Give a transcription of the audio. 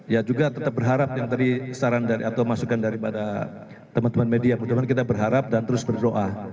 ya juga tetap berharap yang tadi saran atau masukan daripada teman teman media budoman kita berharap dan terus berdoa